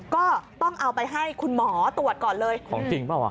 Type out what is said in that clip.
ก็ต้องเอาไปให้คุณหมอตรวจก่อนเลยของจริงเปล่าอ่ะ